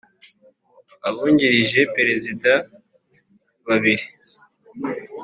Abungirije Perezida babiri